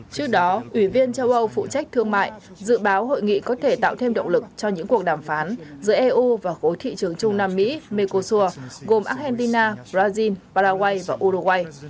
trước đó ủy viên châu âu phụ trách thương mại dự báo hội nghị có thể tạo thêm động lực cho những cuộc đàm phán giữa eu và khối thị trường trung nam mỹ mekosur gồm argentina brazil paraguay và uruguay